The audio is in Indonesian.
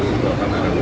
di pertumbuhan ekonomi